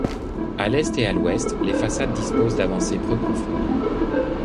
À l'est et à l'ouest, les façades disposent d'avancées peu profondes.